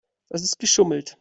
Das ist geschummelt.